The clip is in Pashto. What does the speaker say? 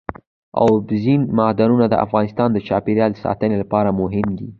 اوبزین معدنونه د افغانستان د چاپیریال ساتنې لپاره مهم دي.